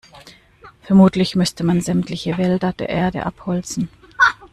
Vermutlich müsste man sämtliche Wälder der Erde abholzen.